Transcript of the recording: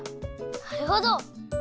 なるほど！